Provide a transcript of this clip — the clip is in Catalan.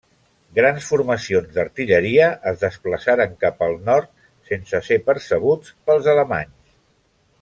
Grans formacions d'artilleria es desplaçaren cap al nord, sense ser percebuts pels alemanys.